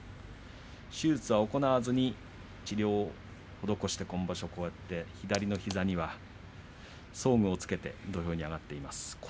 手術は行わずに治療を残して今場所の左の膝には装具をつけて土俵に上がってきています。